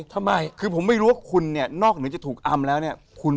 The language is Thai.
ทำไมก็ไม่รู้ค่าคุณ